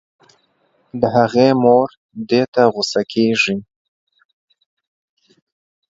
د هغې مور دې ته غو سه کيږي